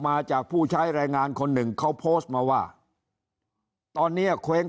มาจากผู้ใช้แรงงานคนหนึ่งเขาโพสต์มาว่าตอนเนี้ยเคว้ง